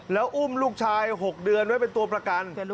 แล้วอุ้มลูกชาย๖เดือนไว้เป็นตัวประกัน